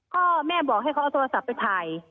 ก็แม่บอกให้เขาเอาสัวสะไปถ่าย